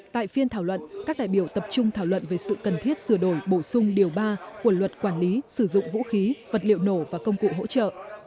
tại phiên thảo luận các đại biểu tập trung thảo luận về sự cần thiết sửa đổi bổ sung điều ba của luật quản lý sử dụng vũ khí vật liệu nổ và công cụ hỗ trợ